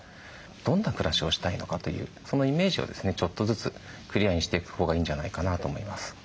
どんな暮らしをしたいのかというそのイメージをですねちょっとずつクリアにしていくほうがいいんじゃないかなと思います。